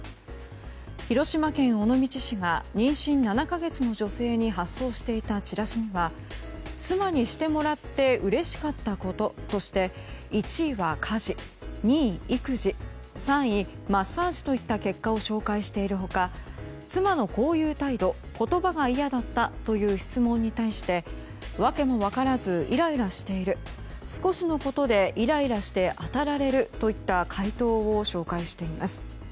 広島県尾道市が妊娠７か月の女性に発送していたチラシには妻にしてもらってうれしかったこととして１位は家事２位、育児３位、マッサージといった結果を紹介している他妻のこういう態度、言葉が嫌だったという質問に対してわけも分からずイライラしている少しのことでイライラして当たられるといった回答を紹介しています。